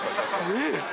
ねえ。